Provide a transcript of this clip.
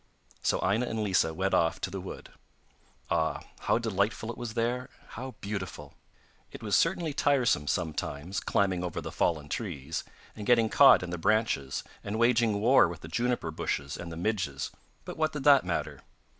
So Aina and Lisa went off to the wood. Ah! how delightful it was there, how beautiful! It was certainly tiresome sometimes climbing over the fallen trees, and getting caught in the branches, and waging war with the juniper bushes and the midges, but what did that matter?